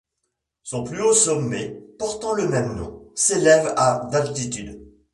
Son plus haut sommet, portant le même nom, s'élève à d'altitude.